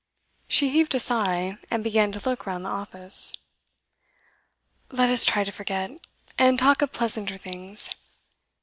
She heaved a sigh, and began to look round the office. 'Let us try to forget, and talk of pleasanter things.